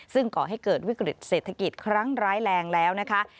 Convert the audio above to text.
ซึ่งก่อให้เกิดวิกฤตเศรษฐกิจครั้งร้ายแรงแล้วนะคะ